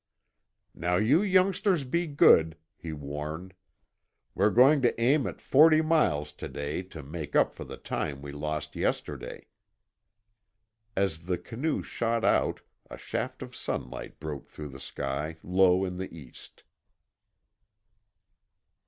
"Now you youngsters be good," he warned. "We're going to aim at forty miles to day to make up for the time we lost yesterday." As the canoe shot out a shaft of sunlight broke through the sky low in the east.